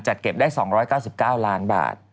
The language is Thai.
เก็บได้๒๙๙ล้านบาท